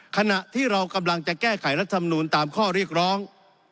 ขณะที่เรากำลังจะแก้ไขรัฐมนูลตามข้อเรียกร้อง